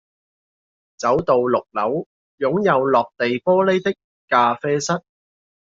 走到六樓擁有落地玻璃的咖啡室